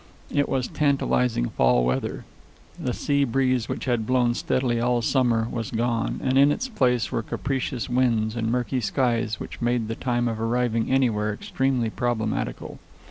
It was tantalizing fall weather. The sea breeze, which had blown steadily all summer, was gone, and in its place were capricious winds and murky skies which made the time of arriving anywhere extremely problematical.